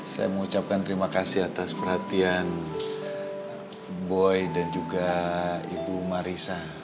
saya mau ucapkan terima kasih atas perhatian boy dan juga ibu marissa